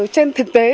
trên thực tế